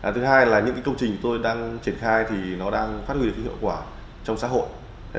thứ hai là những công trình tôi đang triển khai thì nó đang phát huy được hiệu quả trong xã hội